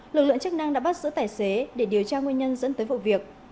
lực lượng chức năng đã bắt giữ tài xế để điều tra nguyên nhân dẫn tới vụ việc